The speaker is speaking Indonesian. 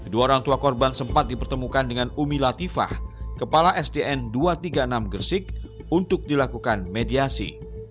dua orang tua korban sempat dipertemukan dengan umi latifah kepala sdn dua ratus tiga puluh enam gresik untuk dilakukan mediasi